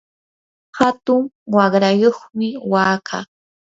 hatun waqrayuqmi wakaa.